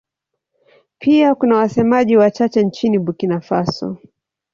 Pia kuna wasemaji wachache nchini Burkina Faso.